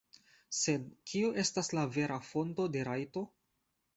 Sed kiu estas la vera fonto de rajto?